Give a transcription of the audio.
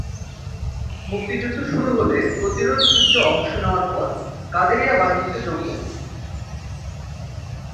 মুক্তিযুদ্ধ শুরু হলে প্রতিরোধযুদ্ধে অংশ নেওয়ার পর কাদেরিয়া বাহিনীতে যোগ দেন।